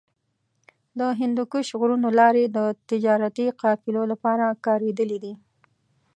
د هندوکش غرونو لارې د تجارتي قافلو لپاره کارېدلې دي.